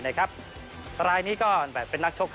ในรัวใกล้